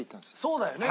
そうだよね。